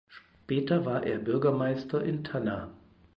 Später war er Bürgermeister in Tanna.